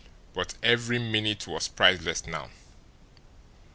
But every minute was priceless now.